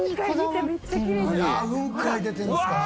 「雲海出てるんですか」